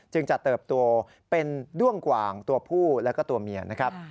จะเติบโตเป็นด้วงกว่างตัวผู้แล้วก็ตัวเมียนะครับ